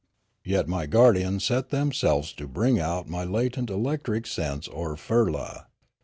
Yet my guardians set themselves to bring out my latent electric sense or firla.